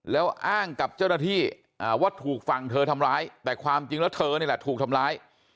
แล้วอ้างกับเจ้าหน้าที่ว่าถูกฝั่งเธอทำร้ายแต่ความจริงแล้วเธอนี่แหละถูกทำร้าย